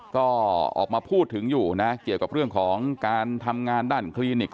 ก็ออกมาพูดถึงอยู่นะเกี่ยวกับเรื่องของการทำงานด้านคลินิก